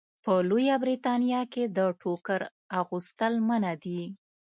په لویه برېتانیا کې د ټوکر اغوستل منع دي.